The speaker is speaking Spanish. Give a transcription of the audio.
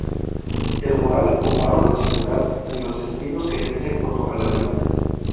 El moral como árbol singular y los espinos que crecen junto a la laguna.